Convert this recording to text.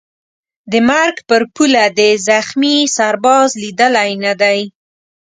د مرګ پر پوله دي زخمي سرباز لیدلی نه دی